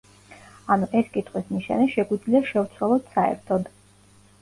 ანუ ეს კითხვის ნიშანი შეგვიძლია შევცვალოთ საერთოდ.